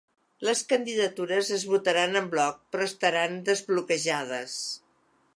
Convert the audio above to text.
Les candidatures es votaran en bloc però estaran desbloquejades.